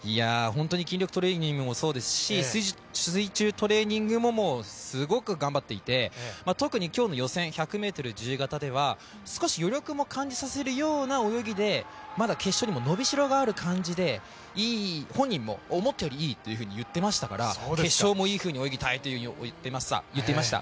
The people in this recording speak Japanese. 筋力トレーニングもそうですし、水中トレーニングもすごく頑張っていて特に今日の予選１００ｍ自由形では、少し余力も感じさせるような泳ぎでまだ決勝にも伸びしろがある感じで、本人も思ったよりいいと言っていましたから決勝もいいふうに泳ぎたいと言っていました。